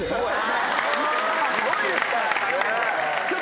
すごいですから。ねぇ。